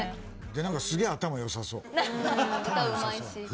すげえ頭良さそう。